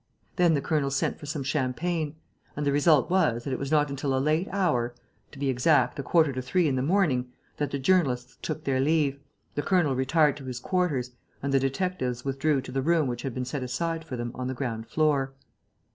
Then the colonel sent for some champagne; and the result was that it was not until a late hour to be exact, a quarter to three in the morning that the journalists took their leave, the colonel retired to his quarters, and the detectives withdrew to the room which had been set aside for them on the ground floor.